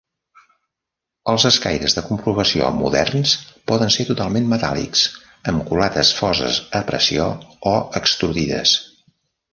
Els escaires de comprovació moderns poden ser totalment metàl·lics, amb culates foses a pressió o extrudides.